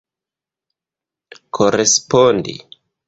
korespondi